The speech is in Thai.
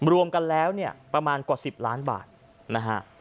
รวมกันแล้วเนี่ยประมาณกว่า๑๐ล้านบาทนะฮะ